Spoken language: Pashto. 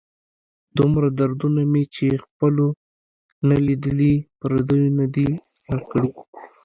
دومره دردونه مې چې خپلو نه لیدلي، پردیو نه دي را کړي.